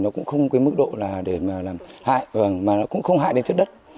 nó cũng không có mức độ để làm hại mà nó cũng không hại đến chất đất